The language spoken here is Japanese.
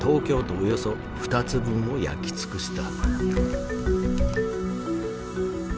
およそ２つ分を焼き尽くした。